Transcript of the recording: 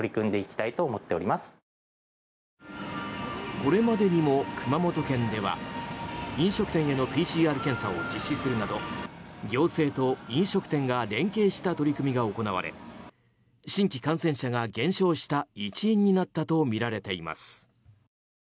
これまでにも熊本県では飲食店へのＰＣＲ検査を実施するなど行政と飲食店が連携した取り組みが行われ新規感染者が減少した一因になったとみられています。